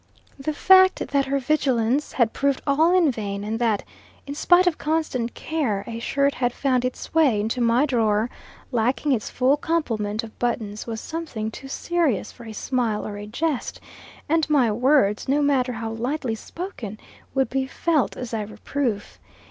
The fact that her vigilance had proved all in vain, and that, spite of constant care, a shirt had found its way into my drawer, lacking its full complement of buttons, was something too serious for a smile or a jest, and my words, no matter how lightly spoken, would be felt as a reproof.